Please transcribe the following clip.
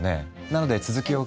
なので続きを。